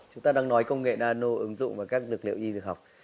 chúng ta đang nói công nghệ nano ứng dụng và các dược liệu y dược học